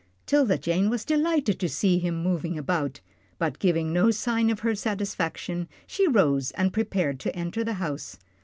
'Tilda Jane was delighted to see him moving about, but, giving no sign of her satisfaction, she rose and prepared to enter the house.